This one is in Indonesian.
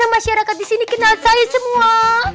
masyarakat di sini kenal saya semua